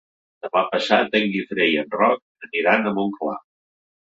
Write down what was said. Demà passat en Guifré i en Roc aniran a Montclar.